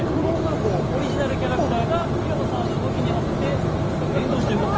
オリジナルキャラクターが平野さんの動きに合わせて連動して動くと。